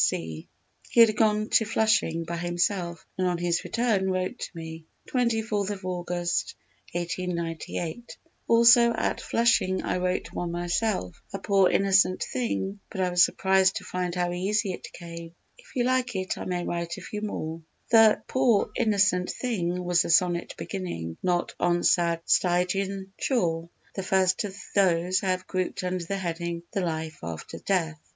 _) He had gone to Flushing by himself and on his return wrote to me: 24 Aug. 1898. "Also at Flushing I wrote one myself, a poor innocent thing, but I was surprised to find how easily it came; if you like it I may write a few more." The "poor innocent thing" was the sonnet beginning "Not on sad Stygian shore," the first of those I have grouped under the heading "The Life after Death."